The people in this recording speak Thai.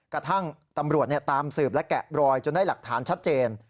กระทั่งตำรวจตามสืบและแกะรอยจนได้หลักฐานชัดเจน